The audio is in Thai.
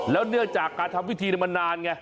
แล้วเนื่องจากการทำพิธีมันนานไง